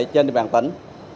trên địa bàn tỉnh